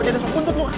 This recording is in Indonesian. jadi sok buntut lu